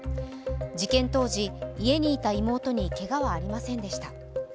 事件当時、家にいた妹にけがはありませんでした。